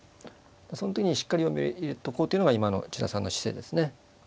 そん時にしっかり読みを入れておこうというのが今の千田さんの姿勢ですねうん。